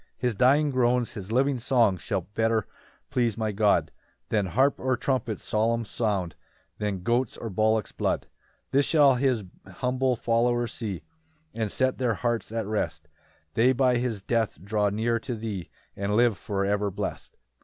3 His dying groans, his living songs Shall better please my God Than harp or trumpet's solemn sound, Than goats' or bullocks' blood. 4 This shall his humble followers see, And set their hearts at rest; They by his death draw near to thee, And live for ever blest.